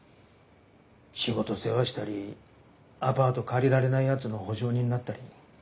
仕事世話したりアパート借りられないやつの保証人になったり。